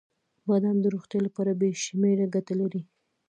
• بادام د روغتیا لپاره بې شمیره ګټې لري.